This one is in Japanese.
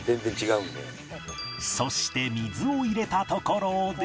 そして水を入れたところで